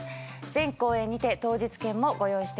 全公演にて当日券もご用意しております。